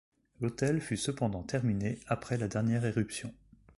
L'hôtel fut cependant terminé après la dernière éruption.